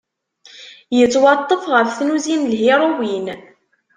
Yettwaṭṭef ɣef tnuzi n lhiruwin.